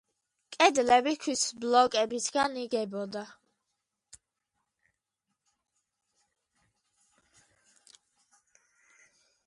კედლები ქვის ბლოკებისგან იგებოდა.